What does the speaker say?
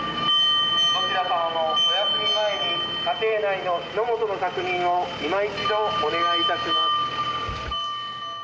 どちら様もおやすみ前に、家庭内の火の元の確認をいま一度お願いいたします。